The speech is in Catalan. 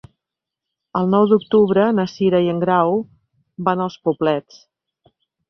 El nou d'octubre na Cira i en Grau van als Poblets.